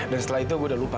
dan setelah itu gue udah lupa